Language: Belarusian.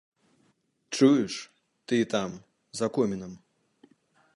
Чуеш, ты там, за комінам!